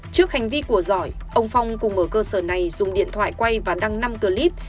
trước hành vi của giỏi ông phong cùng ở cơ sở này dùng điện thoại quay và đăng năm clip